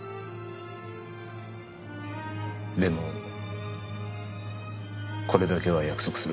でもこれだけは約束する。